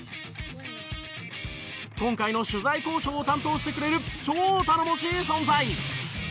今回の取材交渉を担当してくれる超頼もしい存在。